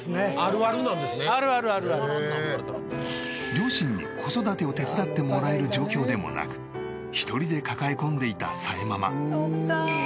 両親に子育てを手伝ってもらえる状況でもなく一人で抱え込んでいたさえママ。